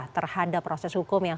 terhadap proses hukum ini